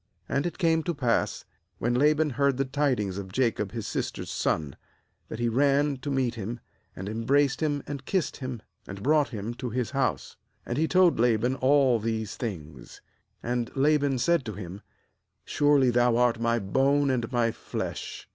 13 And it came to pass, when Laban heard the tidings of Jacob his sister's son, that he ran to meet him, and em braced him, and kissed him, and brought him to his house. And he told Laban all these things. 14And Laban said to him: 'Surely thou art my bone and my flesh.'